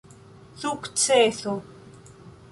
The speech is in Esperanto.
sukceso